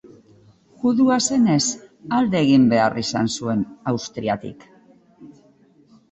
Judua zenez, alde egin behar izan zuen Austriatik.